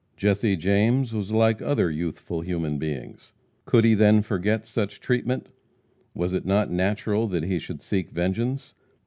Jesse James was like other youthful human beings. Could he then forget such treatment? Was it not natural that he should seek vengeance?